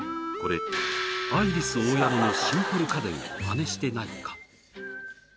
これアイリスオーヤマのシンプル家電を真似してないか？